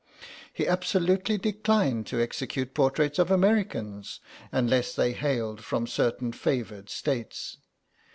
He absolutely declined to execute portraits of Americans unless they hailed from certain favoured States.